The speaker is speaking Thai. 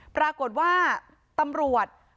ปรากฏว่าตำรวจ